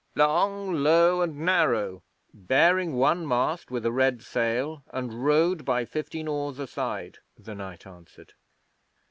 'Long, low, and narrow, bearing one mast with a red sail, and rowed by fifteen oars a side,' the knight answered.